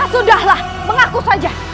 sudahlah mengaku saja